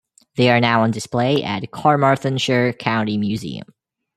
They are now on display at Carmarthenshire County Museum.